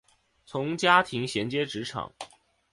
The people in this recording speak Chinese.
从家庭衔接职场